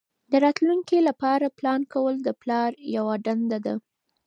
د راتلونکي لپاره پلان کول د پلار یوه دنده ده.